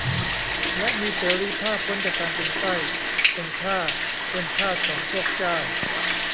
และมีเสรีภาพพ้นจากการเป็นไพร่ เป็นข้าเป็นทาสของพวกเจ้า